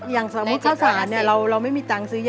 อย่างสมมุติข้าวสาวเนี่ย